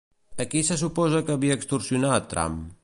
A qui se suposa que havia extorsionat, Trump?